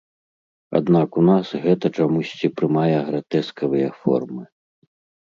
Аднак у нас гэта чамусьці прымае гратэскавыя формы.